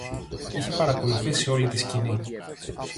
Είχε παρακολουθήσει όλη τη σκηνή